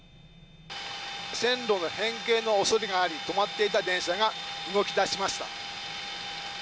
線路の変形のおそれがあり、止まっていた電車が動きだしました。